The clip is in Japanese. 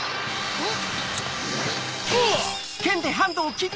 あっ。